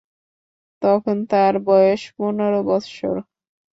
তখন তাঁর বয়স পনর বৎসর।